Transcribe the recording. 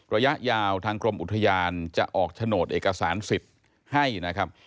ระยะยาวทางกรมอุทยานจะออกโฉนดเอกสารสิทธิ์ให้นะครับ